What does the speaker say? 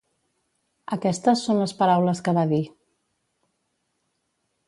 Aquestes són les paraules que va dir.